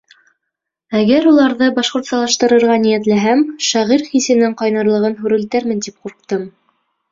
Әгәр уларҙы башҡортсалаштырырға ниәтләһәм, шағир хисенең ҡайнарлығын һүрелтермен тип ҡурҡтым.